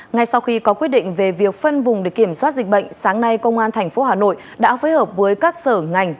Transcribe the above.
ngay sau khi có quyết định về việc phân vùng để kiểm soát dịch bệnh sáng nay công an tp hà nội đã phối hợp với các sở ngành